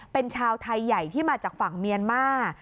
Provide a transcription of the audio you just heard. เป็นชาวไทยใหญ่ที่มาจากฝั่งเมียนมาร์